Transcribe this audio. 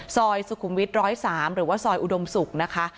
ซอยสุขุมวิท๑๐๓หรือว่าซอยอุดมศุกร์นะคะ